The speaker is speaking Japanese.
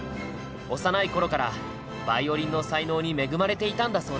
幼いころからヴァイオリンの才能に恵まれていたんだそうだ。